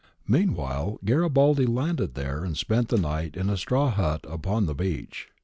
Meanwhile Garibaldi landed there and spent the night in a straw hut upon the beach.